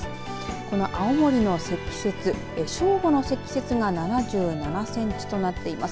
この青森の積雪、正午の積雪が７７センチとなっています。